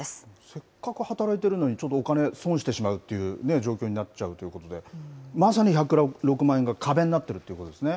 せっかく働いてるのに、ちょっとお金損してしまうっていう状況になっちゃうということで、まさに１０６万円が壁になってるということですね。